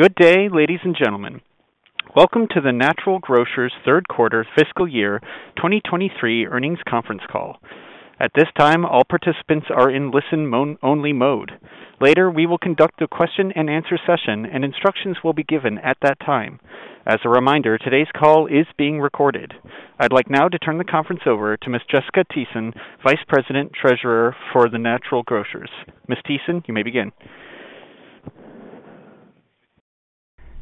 Good day, ladies and gentlemen. Welcome to the Natural Grocers Q3 fiscal year 2023 earnings conference call. At this time, all participants are in listen-only mode. Later, we will conduct a question and answer session, and instructions will be given at that time. As a reminder, today's call is being recorded. I'd like now to turn the conference over to Miss Jessica Thiessen, Vice President, Treasurer for the Natural Grocers. Miss Thiessen, you may begin.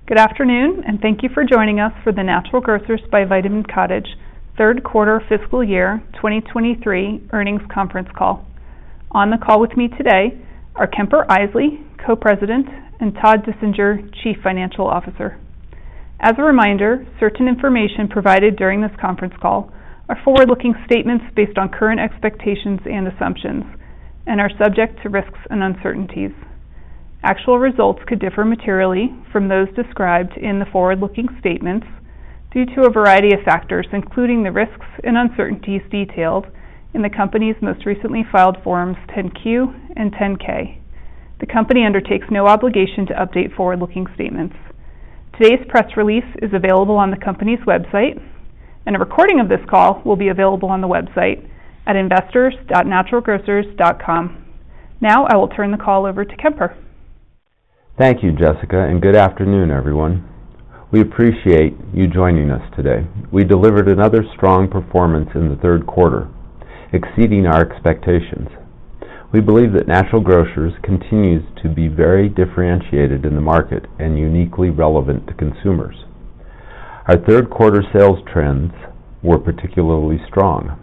Good afternoon, and thank you for joining us for the Natural Grocers by Vitamin Cottage Q3 fiscal year 2023 earnings conference call. On the call with me today are Kemper Isely, Co-President, and Todd Dissinger, Chief Financial Officer. As a reminder, certain information provided during this conference call are forward-looking statements based on current expectations and assumptions and are subject to risks and uncertainties. Actual results could differ materially from those described in the forward-looking statements due to a variety of factors, including the risks and uncertainties detailed in the company's most recently filed Forms 10-Q and 10-K. The company undertakes no obligation to update forward-looking statements. Today's press release is available on the company's website, and a recording of this call will be available on the website at investors.naturalgrocers.com. Now, I will turn the call over to Kemper. Thank you, Jessica, and good afternoon, everyone. We appreciate you joining us today. We delivered another strong performance in the Q3, exceeding our expectations. We believe that Natural Grocers continues to be very differentiated in the market and uniquely relevant to consumers. Our Q3 sales trends were particularly strong.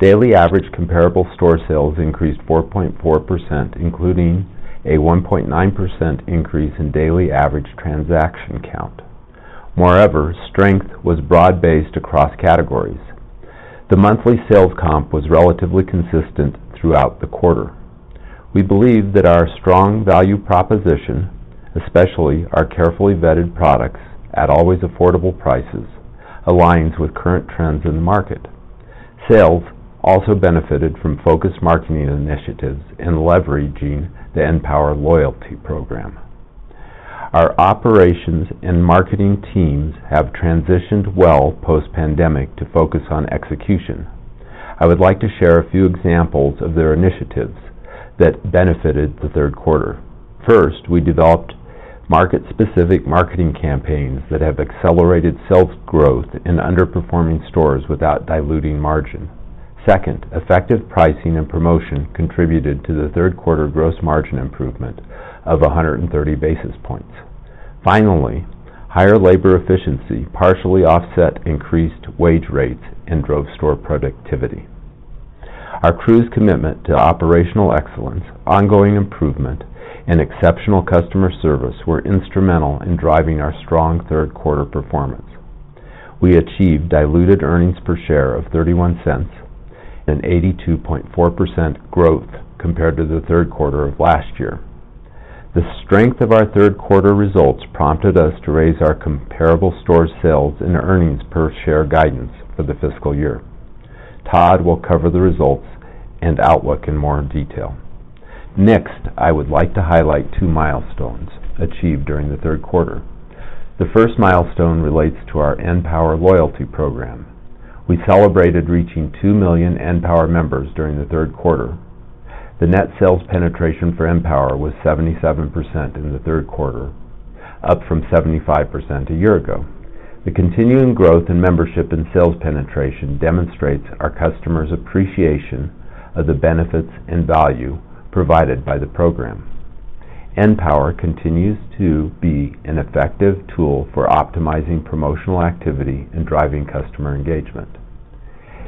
Daily average comparable store sales increased 4.4%, including a 1.9% increase in daily average transaction count. Moreover, strength was broad-based across categories. The monthly sales comp was relatively consistent throughout the quarter. We believe that our strong value proposition, especially our carefully vetted products at always affordable prices, aligns with current trends in the market. Sales also benefited from focused marketing initiatives in leveraging the {N}power loyalty program. Our operations and marketing teams have transitioned well post-pandemic to focus on execution. I would like to share a few examples of their initiatives that benefited the Q3. First, we developed market-specific marketing campaigns that have accelerated sales growth in underperforming stores without diluting margin. Second, effective pricing and promotion contributed to the Q3 gross margin improvement of 130 basis points. Finally, higher labor efficiency partially offset increased wage rates and drove store productivity. Our crew's commitment to operational excellence, ongoing improvement, and exceptional customer service were instrumental in driving our strong Q3 performance. We achieved diluted earnings per share of $0.31 and 82.4% growth compared to the Q3 of last year. The strength of our Q3 results prompted us to raise our comparable stores sales and earnings per share guidance for the fiscal year. Todd will cover the results and outlook in more detail. Next, I would like to highlight 2 milestones achieved during the Q3. The first milestone relates to our {N}power loyalty program. We celebrated reaching 2 million {N}power members during the Q3. The net sales penetration for {N}power was 77% in the Q3, up from 75% a year ago. The continuing growth in membership and sales penetration demonstrates our customers' appreciation of the benefits and value provided by the program. {N}power continues to be an effective tool for optimizing promotional activity and driving customer engagement.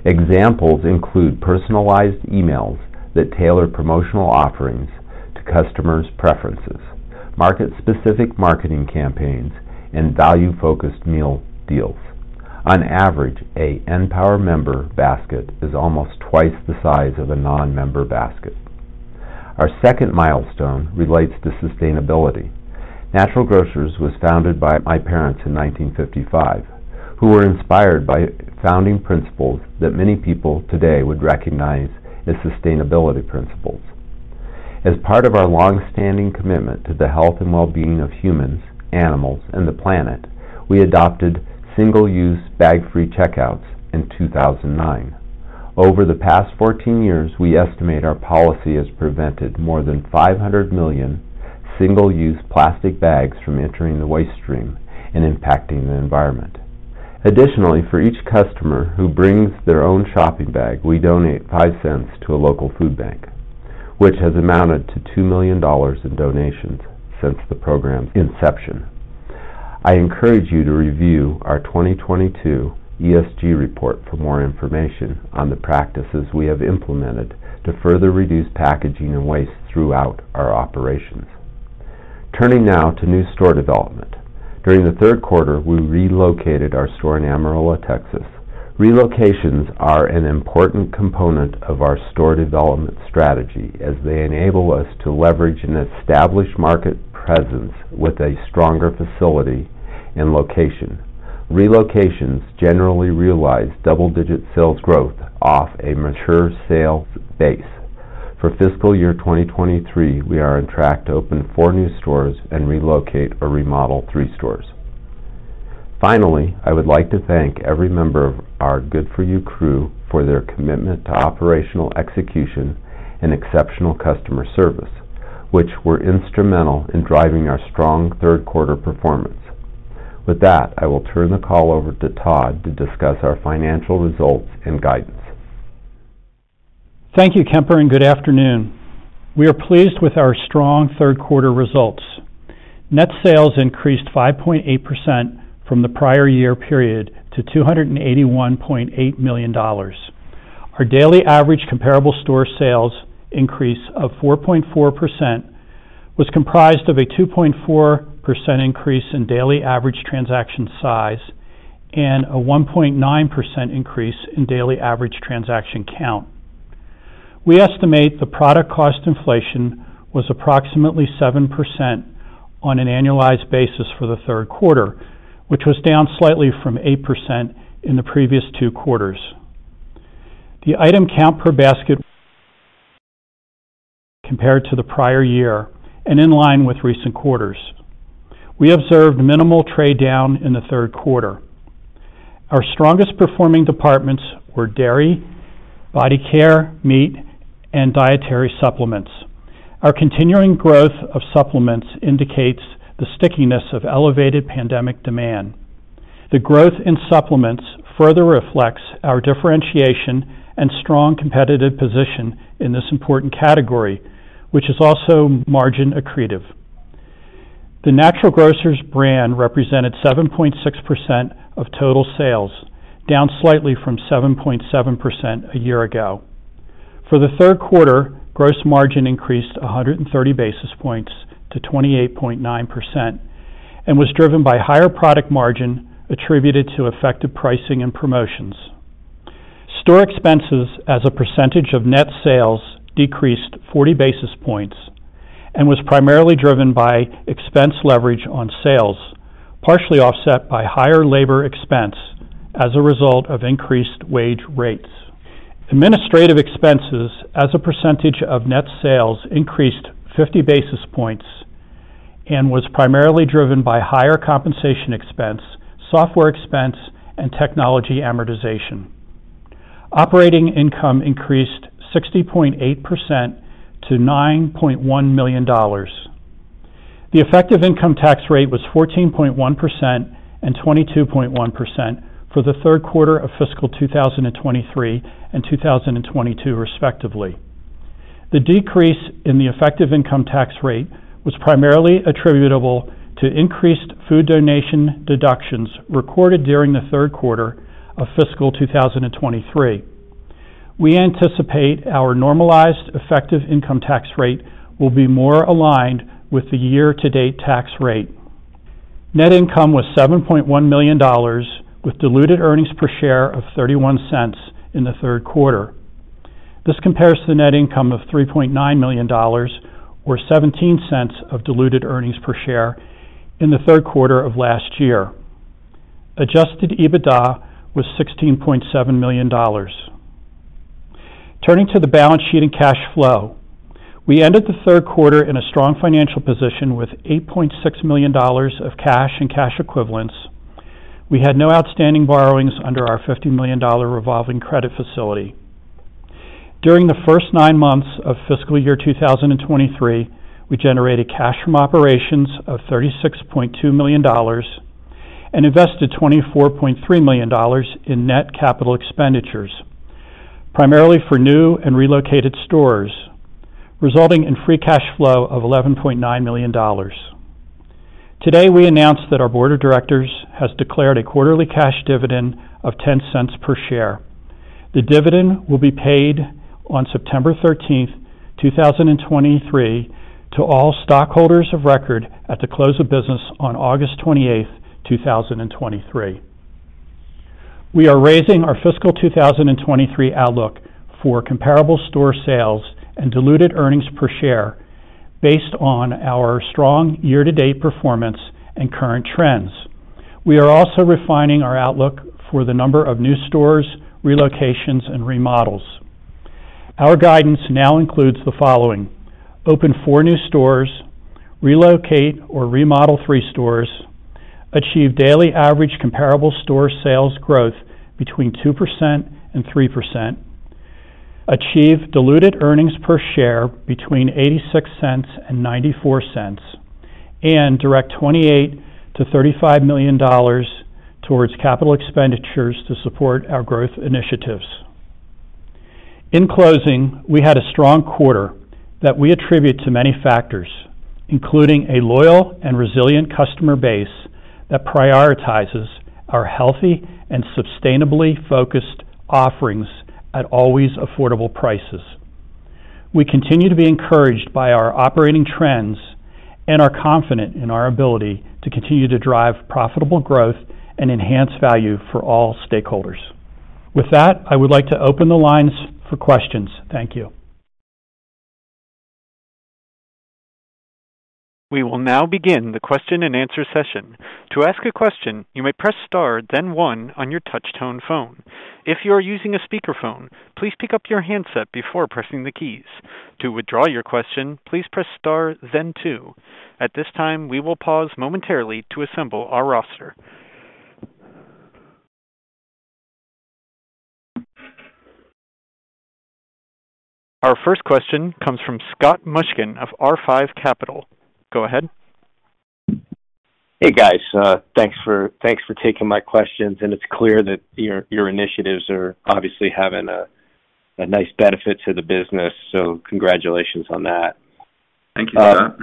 Examples include personalized emails that tailor promotional offerings to customers' preferences, market-specific marketing campaigns, and value-focused meal deals. On average, a {N}power member basket is almost twice the size of a non-member basket. Our second milestone relates to sustainability. Natural Grocers was founded by my parents in 1955, who were inspired by founding principles that many people today would recognize as sustainability principles. As part of our long-standing commitment to the health and well-being of humans, animals, and the planet, we adopted single-use, bag-free checkouts in 2009. Over the past 14 years, we estimate our policy has prevented more than 500 million single-use plastic bags from entering the waste stream and impacting the environment. Additionally, for each customer who brings their own shopping bag, we donate $0.05 to a local food bank, which has amounted to $2 million in donations since the program's inception. I encourage you to review our 2022 ESG Report for more information on the practices we have implemented to further reduce packaging and waste throughout our operations. Turning now to new store development. During the Q3, we relocated our store in Amarillo, Texas. Relocations are an important component of our store development strategy as they enable us to leverage an established market presence with a stronger facility and location. Relocations generally realize double-digit sales growth off a mature sales base. For fiscal year 2023, we are on track to open four new stores and relocate or remodel three stores. Finally, I would like to thank every member of our Good For You Crew for their commitment to operational execution and exceptional customer service, which were instrumental in driving our strong Q3 performance. With that, I will turn the call over to Todd to discuss our financial results and guidance. Thank you, Kemper, and good afternoon. We are pleased with our strong Q3 results. Net sales increased 5.8% from the prior year period to $281.8 million. Our daily average comparable store sales increase of 4.4% was comprised of a 2.4% increase in daily average transaction size and a 1.9% increase in daily average transaction count. We estimate the product cost inflation was approximately 7% on an annualized basis for the Q3, which was down slightly from 8% in the previous two quarters. The item count per basket compared to the prior year and in line with recent quarters. We observed minimal trade down in the Q3. Our strongest performing departments were dairy, body care, meat, and dietary supplements. Our continuing growth of supplements indicates the stickiness of elevated pandemic demand. The growth in supplements further reflects our differentiation and strong competitive position in this important category, which is also margin accretive. The Natural Grocers Brand represented 7.6% of total sales, down slightly from 7.7% a year ago. For the Q3, gross margin increased 130 basis points to 28.9% and was driven by higher product margin attributed to effective pricing and promotions. Store expenses as a percentage of net sales, decreased 40 basis points and was primarily driven by expense leverage on sales, partially offset by higher labor expense as a result of increased wage rates. Administrative expenses as a percentage of net sales, increased 50 basis points and was primarily driven by higher compensation expense, software expense, and technology amortization. Operating income increased 60.8% to $9.1 million. The effective income tax rate was 14.1% and 22.1% for the Q3 of fiscal 2023 and 2022, respectively. The decrease in the effective income tax rate was primarily attributable to increased food donation deductions recorded during the Q3 of fiscal 2023. We anticipate our normalized effective income tax rate will be more aligned with the year-to-date tax rate. Net income was $7.1 million, with diluted earnings per share of $0.31 in the Q3. This compares to the net income of $3.9 million, or $0.17 of diluted earnings per share in the Q3 of last year. Adjusted EBITDA was $16.7 million. Turning to the balance sheet and cash flow. We ended the Q3 in a strong financial position with $8.6 million of cash and cash equivalents. We had no outstanding borrowings under our $50 million revolving credit facility. During the first nine months of fiscal year 2023, we generated cash from operations of $36.2 million and invested $24.3 million in net capital expenditures, primarily for new and relocated stores, resulting in free cash flow of $11.9 million. Today, we announced that our board of directors has declared a quarterly cash dividend of $0.10 per share. The dividend will be paid on September 13, 2023, to all stockholders of record at the close of business on August 28, 2023. We are raising our fiscal 2023 outlook for comparable store sales and diluted earnings per share based on our strong year-to-date performance and current trends. We are also refining our outlook for the number of new stores, relocations, and remodels. Our guidance now includes the following: open four new stores, relocate or remodel three stores, achieve daily average comparable store sales growth between 2% and 3%, achieve diluted earnings per share between $0.86 and $0.94, and direct $28 million to 35 million towards capital expenditures to support our growth initiatives. In closing, we had a strong quarter that we attribute to many factors, including a loyal and resilient customer base that prioritizes our healthy and sustainably focused offerings at always affordable prices. We continue to be encouraged by our operating trends and are confident in our ability to continue to drive profitable growth and enhance value for all stakeholders. With that, I would like to open the lines for questions. Thank you. We will now begin the question-and-answer session. To ask a question, you may press star, then one on your touch-tone phone. If you are using a speakerphone, please pick up your handset before pressing the keys. To withdraw your question, please press star then two. At this time, we will pause momentarily to assemble our roster. Our first question comes from Scott Mushkin of R5 Capital. Go ahead. Hey, guys. thanks for, thanks for taking my questions, and it's clear that your, your initiatives are obviously having a, a nice benefit to the business, so congratulations on that. Thank you, sir.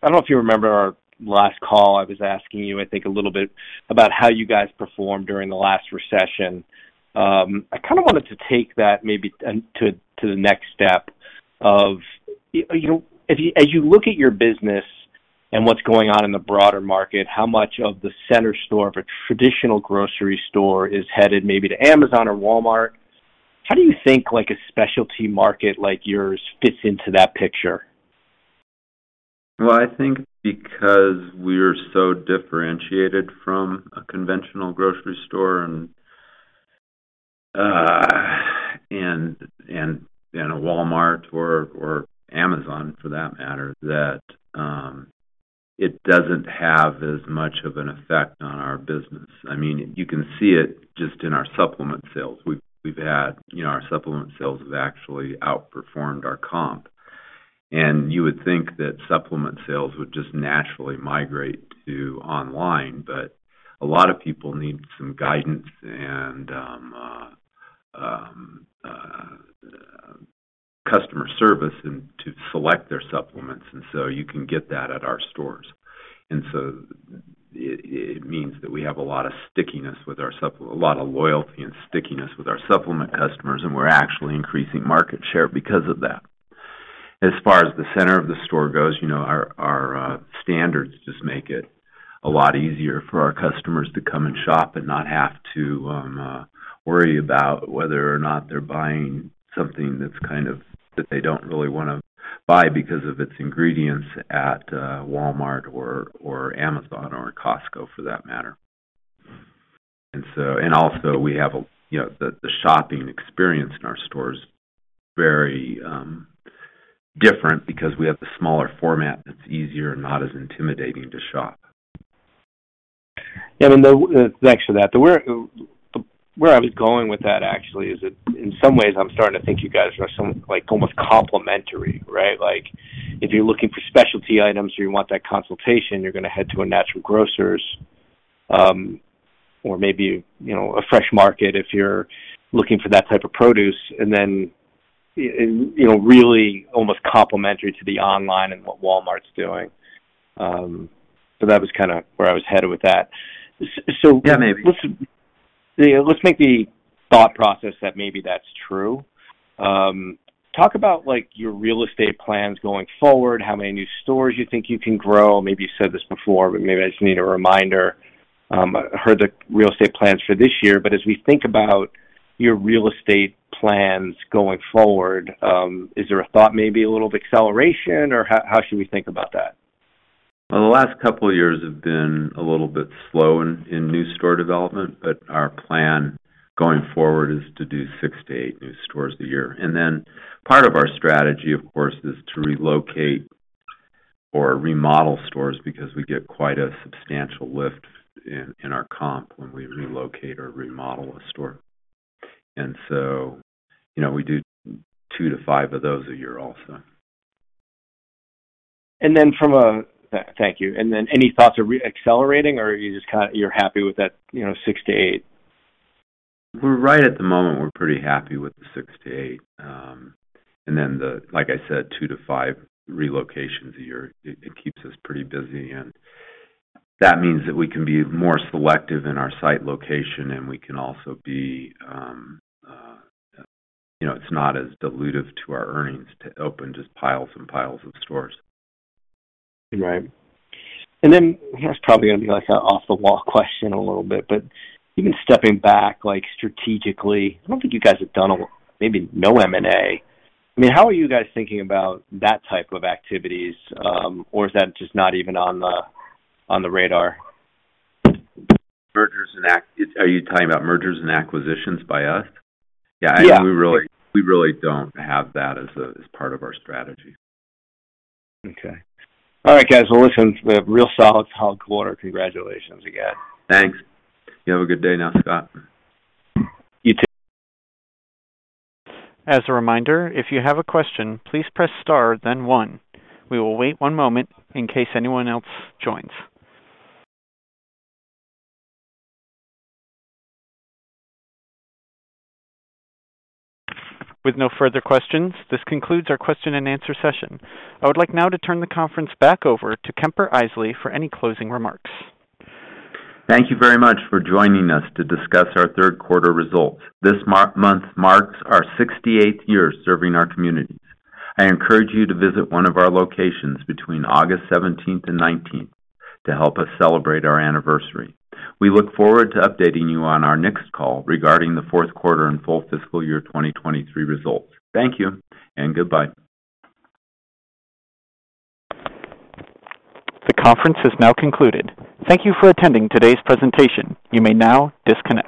I don't know if you remember our last call, I was asking you, I think, a little bit about how you guys performed during the last recession. I kinda wanted to take that maybe to the next step of, you know, as you, as you look at your business and what's going on in the broader market, how much of the center store of a traditional grocery store is headed maybe to Amazon or Walmart? How do you think, like, a specialty market like yours fits into that picture? Well, I think because we are so differentiated from a conventional grocery store and, and, and a Walmart or Amazon, for that matter, that it doesn't have as much of an effect on our business. I mean, you can see it just in our supplement sales. We've, we've had... You know, our supplement sales have actually outperformed our comp. You would think that supplement sales would just naturally migrate to online, but a lot of people need some guidance and customer service and to select their supplements, so you can get that at our stores. So it, it means that we have a lot of stickiness with our sup- a lot of loyalty and stickiness with our supplement customers, and we're actually increasing market share because of that. As far as the center of the store goes, you know, our, our standards just make it a lot easier for our customers to come and shop and not have to worry about whether or not they're buying something that's that they don't really wanna buy because of its ingredients at Walmart or Amazon, or Costco, for that matter. Also we have, you know, the, the shopping experience in our store is very different because we have the smaller format that's easier and not as intimidating to shop. Next to that, the where, where I was going with that, actually, is that in some ways I'm starting to think you guys are some, like, almost complementary, right? Like, if you're looking for specialty items or you want that consultation, you're gonna head to a Natural Grocers, or maybe, you know, The Fresh Market if you're looking for that type of produce, and then, you know, really almost complementary to the online and what Walmart's doing. That was kind of where I was headed with that. Yeah, maybe. Let's, let's make the thought process that maybe that's true. Talk about, like, your real estate plans going forward, how many new stores you think you can grow? Maybe you said this before, but maybe I just need a reminder. I heard the real estate plans for this year, but as we think about your real estate plans going forward, is there a thought maybe a little of acceleration, or how, how should we think about that? Well, the last couple of years have been a little bit slow in, in new store development, but our plan going forward is to do 6-8 new stores a year. Then part of our strategy, of course, is to relocate or remodel stores because we get quite a substantial lift in, in our comp when we relocate or remodel a store. So, you know, we do 2-5 of those a year also. Thank you. Any thoughts are re-accelerating, or you just kind, you're happy with that, you know, 6-8? We're right at the moment, we're pretty happy with the 6-8. Then the, like I said, 2-5 relocations a year, it, it keeps us pretty busy, and that means that we can be more selective in our site location, and we can also be, you know, it's not as dilutive to our earnings to open just piles and piles of stores. Right. Then, this is probably gonna be, like, an off-the-wall question a little bit, but even stepping back, like, strategically, I don't think you guys have done a, maybe no M&A. I mean, how are you guys thinking about that type of activities, or is that just not even on the, on the radar? Are you talking about mergers and acquisitions by us? Yeah. We really, we really don't have that as a, as part of our strategy. All right, guys. Listen, we have real solid, solid quarter. Congratulations again. Thanks. You have a good day now, Scott. You too. As a reminder, if you have a question, please press star, then 1. We will wait 1 moment in case anyone else joins. With no further questions, this concludes our question and answer session. I would like now to turn the conference back over to Kemper Isely for any closing remarks. Thank you very much for joining us to discuss our Q3 results. This month marks our sixty-eighth year serving our communities. I encourage you to visit one of our locations between August 17 and 19th to help us celebrate our anniversary. We look forward to updating you on our next call regarding the Q4 and full fiscal year 2023 results. Thank you, and goodbye. The conference is now concluded. Thank you for attending today's presentation. You may now disconnect.